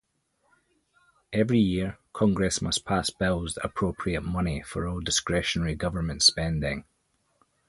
Every year, Congress must pass bills that appropriate money for all discretionary government spending.